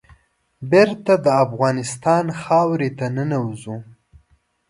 بېرته د افغانستان خاورې ته ننوزو.